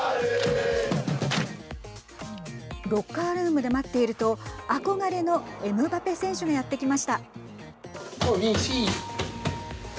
ロッカールームで待っていると憧れのエムバペ選手がやってきました。